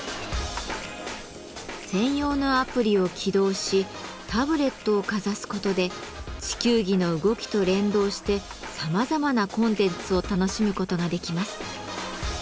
専用のアプリを起動しタブレットをかざすことで地球儀の動きと連動してさまざまなコンテンツを楽しむことができます。